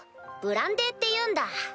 ブランデーっていうんだ。